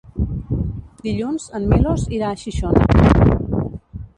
Dilluns en Milos irà a Xixona.